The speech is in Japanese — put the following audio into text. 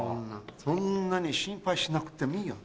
そんなに心配しなくてもいいよ。